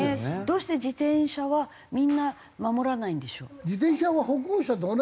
どうして自転車はみんな守らないんでしょう？